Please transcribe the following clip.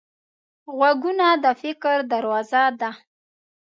غوږونه د فکر دروازه ده